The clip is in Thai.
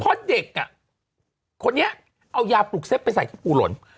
พอเด็กอ่ะคนเนี้ยเอายาปลูกเซ็กไปใส่ตัวปูหล่น